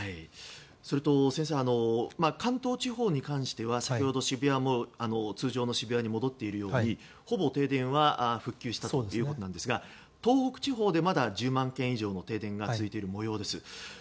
それと先生関東地方に関しては先ほど渋谷も通常の渋谷に戻っているようにほぼ停電は復旧したということですが東北地方でまだ１０万軒以上の停電が続いているようです。